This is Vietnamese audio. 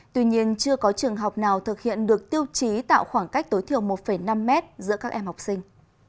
tuy nhiên chưa có trường học nào thực hiện được tiêu chí tạo khoảng cách tối thiểu một năm mét giữa các em học sinh